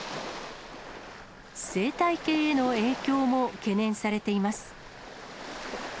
生態系への影響も懸念されています。